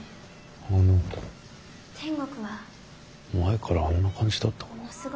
あの子前からあんな感じだったかな。